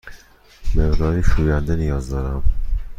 مقداری شوینده نیاز دارم.